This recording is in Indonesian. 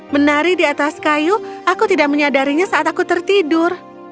menari di atas kayu aku tidak menyadarinya saat aku tertidur